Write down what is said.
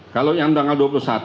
kalau yang tanggal dua puluh satu